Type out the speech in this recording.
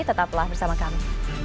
tetaplah bersama kami